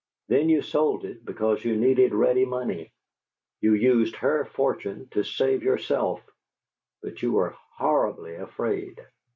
Then you sold it because you needed ready money. You used her fortune to save yourself but you were horribly afraid!